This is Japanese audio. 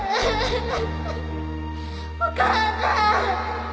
お母さん！